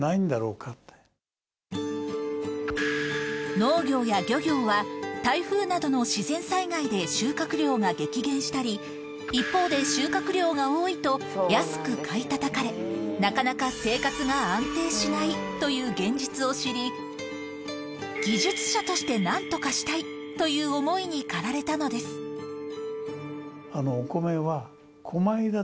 農業や漁業は台風などの自然災害で収穫量が激減したり一方で収穫量が多いと安く買いたたかれなかなか生活が安定しないという現実を知り技術者として何とかしたいという思いに駆られたのですうん。